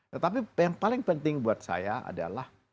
tetapi yang paling penting buat saya adalah